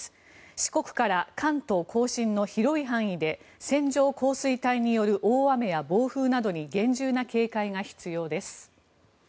四国から関東・甲信の広い範囲で線状降水帯による大雨や暴風などに厳重な警戒が必要です。